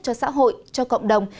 cho xã hội cho cộng đồng